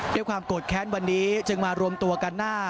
ด้วยความโกรธแค้นวันนี้จึงมารวมตัวกันหน้า